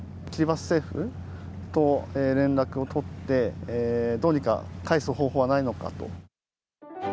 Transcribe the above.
キリバス政府と連絡を取って、どうにか帰す方法はないのかと。